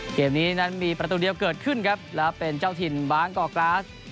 เกมนี้นั้นมีประตูเดียวเกิดขึ้นครับแล้วเป็นเจ้าถิ่นบางกอกกราส